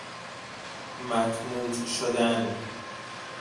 متموج شدن